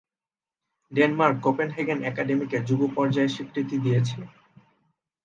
Denmark Copenhagen একাডেমীকে যুব পর্যায়ে স্বীকৃতি দিয়েছে।